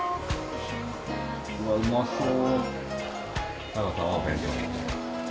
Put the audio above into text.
うわっうまそう。